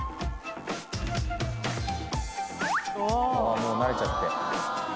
もう慣れちゃって。